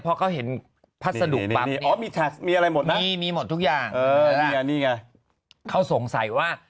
พอเขาเห็นผ้าสะดุดลับมีทักมีอะไรหมดน่ะหมดทุกอย่างอ๋อนี่ไงก็สงสัยว่า